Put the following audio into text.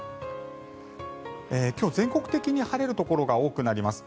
今日、全国的に晴れるところが多くなります。